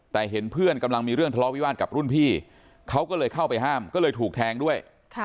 แต่เห็นเพื่อนกำลังมีเรื่องทะเลาะวิวาสกับรุ่นพี่เขาก็เลยเข้าไปห้ามก็เลยถูกแทงด้วย